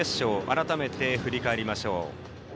改めて、振り返りましょう。